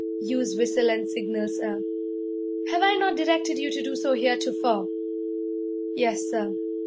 'Use whistle and signal, sir.' 'Have I not directed you to do so heretofore?' 'Yes, sir.'